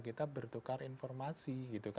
kita bertukar informasi